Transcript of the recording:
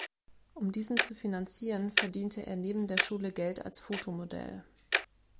Um diesen zu finanzieren, verdiente er neben der Schule Geld als Fotomodell.